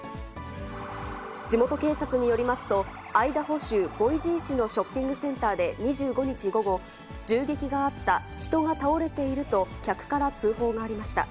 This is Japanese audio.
地元警察によりますと、アイダホ州ボイジー市のショッピングセンターで２５日午後、銃撃があった、人が倒れていると客から通報がありました。